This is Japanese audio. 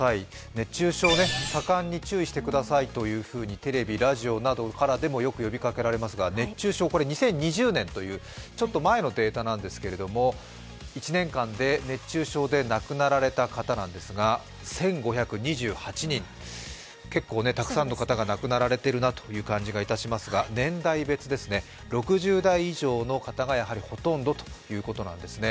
熱中症、盛んに注してくださいとテレビ・ラジオなどからでもよく呼びかけられますが、熱中症、これ２０２０年というちょっと前のデータですけれど１年間で熱中症で亡くなられた方なんですが１５２８人と結構たくさんの方が亡くなられているなという感じがいたしますが、年代別、６０代以上の方がほとんどということなんですね。